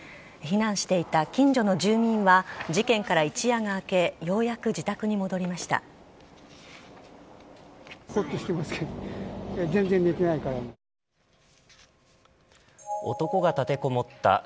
避難していた近所の住民は事件から一夜が明けようやく自宅に戻りました。